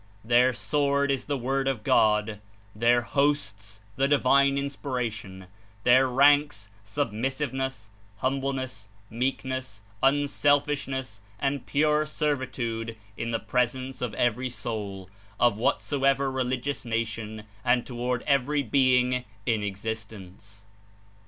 Their sword is the 64 Word of God; their hosts the divine Inspiration; their ranks, submisslveness, humbleness, meekness, unsel fishness and pure servitude in the presence of every soul, of whatsoever religious nation and toward every being In existence.